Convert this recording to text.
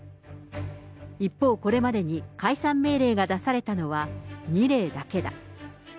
一方、これまでに解散命令が出されたのは２例だけだ。